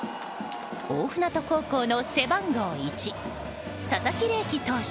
大船渡高校の背番号１佐々木怜希投手。